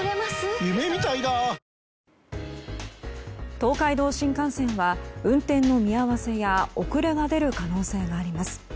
東海道新幹線は運転の見合わせや遅れが出る可能性があります。